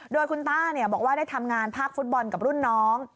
โดยคุณต้าบอกว่าได้ทำงานภาคฟุตบอลกับรุ่นน้อง